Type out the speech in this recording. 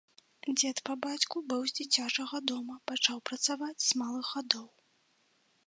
Дзед па бацьку быў з дзіцячага дома, пачаў працаваць з малых гадоў.